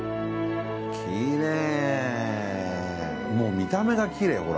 もう見た目がきれいほら。